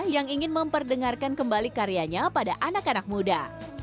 yang ingin memperdengarkan kembali karyanya pada anak anak muda